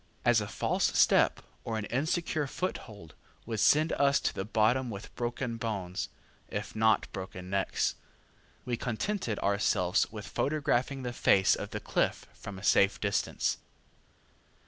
As a false step or an insecure foothold would send us to the bottom with broken bones, if not broken necks, we contented ourselves with photographing the face of the cliff from a safe distance.